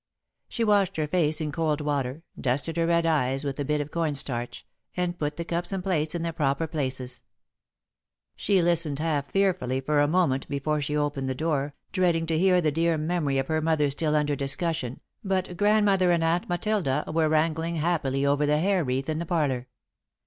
She washed her face in cold water, dusted her red eyes with a bit of corn starch, and put the cups and plates in their proper places. [Sidenote: Toiling Cheerfully] She listened half fearfully for a moment before she opened the door, dreading to hear the dear memory of her mother still under discussion, but Grandmother and Aunt Matilda were wrangling happily over the hair wreath in the parlour.